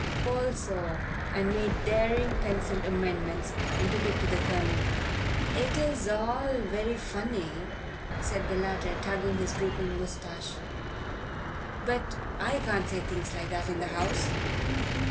Paul saw and made daring pencilled amendments, and took it to the Colonel. "It's all very funny," said the latter, tugging his drooping moustache, "but I can't say things like that in the House."